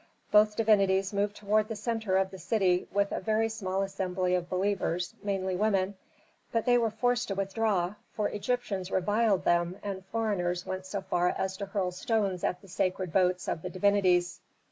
Both divinities moved toward the centre of the city with a very small assembly of believers, mainly women. But they were forced to withdraw, for Egyptians reviled them and foreigners went so far as to hurl stones at the sacred boats of the divinities.